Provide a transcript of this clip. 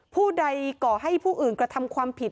ผู้ใดก่อให้ผู้อื่นกระทำความผิด